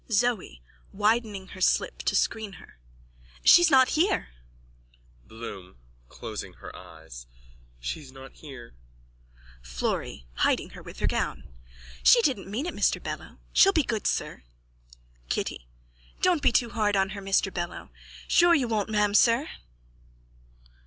_ ZOE: (Widening her slip to screen her.) She's not here. BLOOM: (Closing her eyes.) She's not here. FLORRY: (Hiding her with her gown.) She didn't mean it, Mr Bello. She'll be good, sir. KITTY: Don't be too hard on her, Mr Bello. Sure you won't, ma'amsir.